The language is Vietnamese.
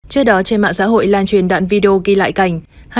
trước đó trên mạng xã hội lan truyền đoạn video ghi lại cảnh